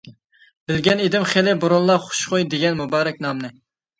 بىلگەن ئىدىم خېلى بۇرۇنلا، ‹ ‹خۇشخۇي› › دېگەن مۇبارەك نامنى.